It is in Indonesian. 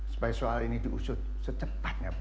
supaya soal ini diusut secepatnya